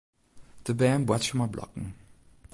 De bern boartsje mei blokken.